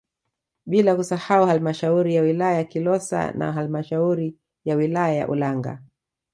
Bila kusahau halmashauri ya wilaya ya Kilosa na halmashauri ya wilaya ya Ulanga